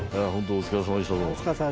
お疲れさまでした。